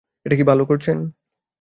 এটা কি ভালো করছেন?